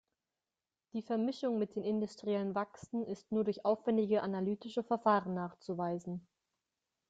Die Vermischung mit den industriellen Wachsen ist nur durch aufwändige analytische Verfahren nachzuweisen.